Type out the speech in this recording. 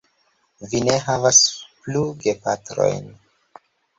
Vi ne havas plu gepatrojn.